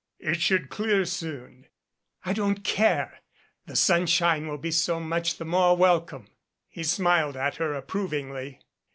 "It should clear soon." "I don't care. The sunshine will be so much the more welcome." He smiled at her approvingly.